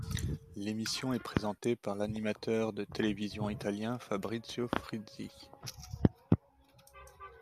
L'émission est présentée par l'animateur de télévision italien Fabrizio Frizzi.